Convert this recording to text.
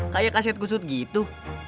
kayak kasyet kusut gitu